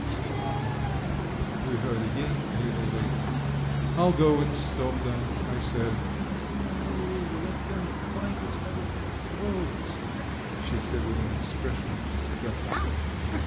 "He e elp!" we heard again, a little later. "I'll go and stop them," I said. "No, let them bite each other's throats," she said with an expression of disgust.